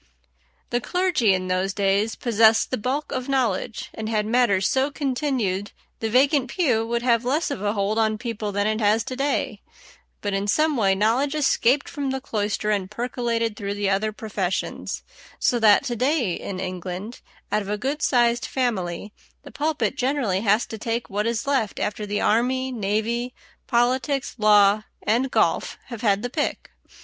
The clergy in those days possessed the bulk of knowledge, and had matters so continued the vacant pew would have less of a hold on people than it has to day; but in some way knowledge escaped from the cloister and percolated through the other professions, so that to day in England, out of a good sized family, the pulpit generally has to take what is left after the army, navy, politics, law, and golf have had the pick.